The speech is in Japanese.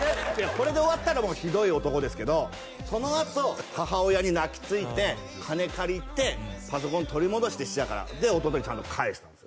これで終わったらもうひどい男ですけどそのあと母親に泣きついて金借りてパソコン取り戻して質屋からで弟にちゃんと返したんですよ